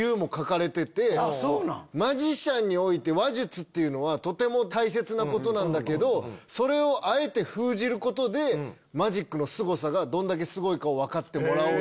マジシャンにおいて話術っていうのはとても大切なことなんだけどそれをあえて封じることでマジックのすごさがどんだけすごいかを分かってもらおう。